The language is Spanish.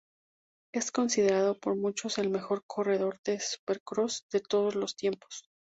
Es considerado por muchos como el mejor corredor de supercross de todos los tiempos.